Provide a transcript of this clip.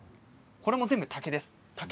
これも全部、竹です。